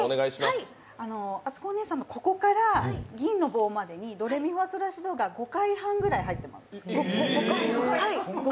あつこおねえさんのここから銀の棒までにドレミファソラシドが５回半ぐらい入っています。